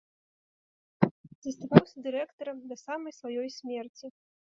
Заставаўся дырэктарам да самай сваёй смерці.